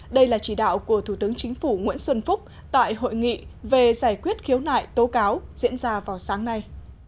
đây là chỉ đạo của thủ tướng chính phủ nguyễn xuân phúc tại hội nghị về giải quyết khiếu nại tố cáo diễn ra vào sáng nay